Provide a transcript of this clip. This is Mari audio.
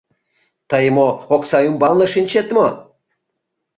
Тый мо, окса ӱмбалне шинчет мо?